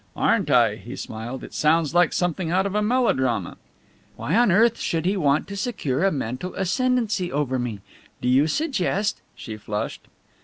"Aren't I?" he smiled. "It sounds like something out of a melodrama." "Why on earth should he want to secure a mental ascendancy over me? Do you suggest " She flushed.